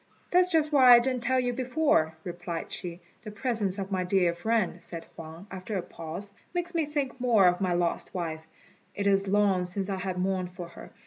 "That's just why I didn't tell you before," replied she. "The presence of my dear friend," said Huang, after a pause, "makes me think more of my lost wife. It is long since I have mourned for her.